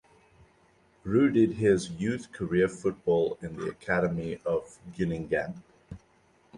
Roux did his youth career football in the academy of Guingamp.